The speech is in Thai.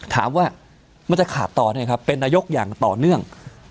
ถามว่ามันจะขาดต่อเนี่ยครับเป็นนายกอย่างต่อเนื่อง